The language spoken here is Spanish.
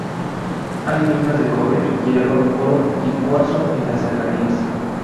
Hay minas de cobre, hierro, oro y cuarzo en las cercanías.